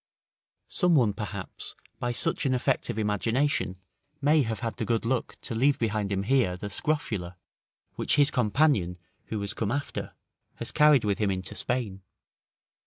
Some one, perhaps, by such an effect of imagination may have had the good luck to leave behind him here, the scrofula, which his companion who has come after, has carried with him into Spain.